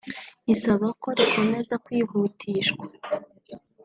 isaba ko rikomeza kwihutishwa